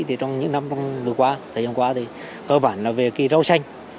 thì trong những năm qua thì cơ bản là về cái rau xanh